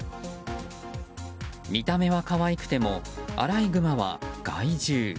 見た目は可愛くてもアライグマは害獣。